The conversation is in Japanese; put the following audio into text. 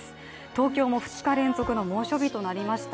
東京も２日連続の猛暑日となりました。